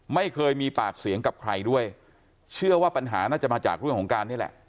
ไม่เคยมีปากเสียงกับใครด้วยเชื่อว่าปัญหาน่าจะมาจากเรื่องของการนี่แหละ